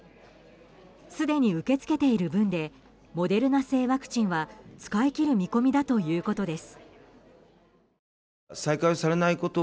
すでに受け付けている分でモデルナ製ワクチンは使い切る見込みだということです。